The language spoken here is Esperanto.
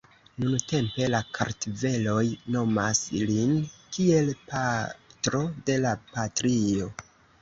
Nuntempe la kartveloj nomas lin kiel "Patro de la Patrio".